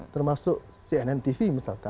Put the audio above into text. termasuk cnn tv misalnya